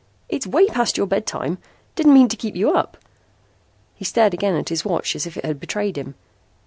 "It's way past your bedtime. Didn't mean to keep you up." He stared again at his watch as if it had betrayed him.